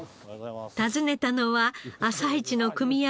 訪ねたのは朝市の組合